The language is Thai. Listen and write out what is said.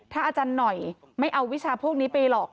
ถ้าอาจารย์หน่อยไม่เอาวิชาพวกนี้ไปหรอก